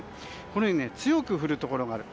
このように強く降るところもある。